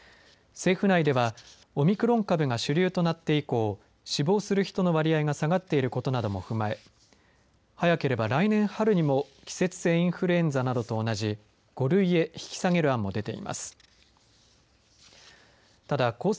政府内では、オミクロン株が主流となって以降死亡する人の割合が下がっていることなども踏まえ早ければ来年春にも季節性インフルエンザなどと同じ５類へ引き下げる案も出ています。